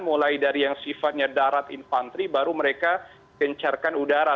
mulai dari yang sifatnya darat infanteri baru mereka gencarkan udara